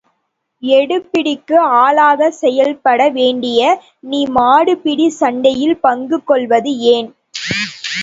எடுபிடிக்கு ஆளாகச் செயல்பட வேண்டிய நீ மாடுபிடி சண்டையில் பங்கு கொள்வது ஏன்?